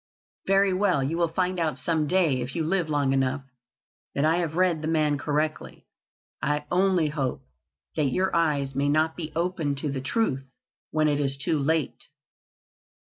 "Very well, you will find out some day, if you live long enough, that I have read the man correctly. I only hope that your eyes may not be opened to the truth when it is too late."